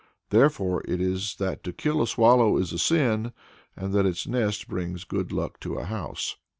Therefore it is that to kill a swallow is a sin, and that its nest brings good luck to a house.